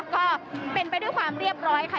ก็เป็นไปด้วยความเรียบร้อยค่ะ